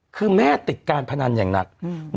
คือแม่ติดการพนันอย่างนั้นอืม